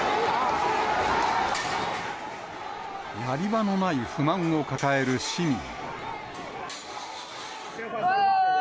やり場のない不満を抱える市民。